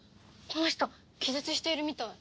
この人気絶しているみたい。